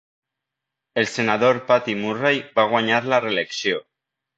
El senador Patty Murray va guanyar la reelecció.